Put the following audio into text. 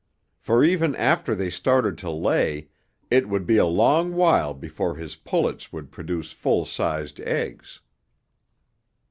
For even after they started to lay, it would be a long while before his pullets would produce full sized eggs.